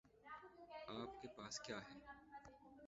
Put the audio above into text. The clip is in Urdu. آپ کے پاس کیا ہے؟